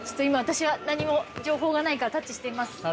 今私は何も情報がないからタッチしてみます。